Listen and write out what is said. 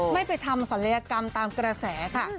ไม่ไปทำศัลยกรรมตามกระแสค่ะ